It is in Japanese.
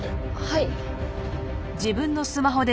はい。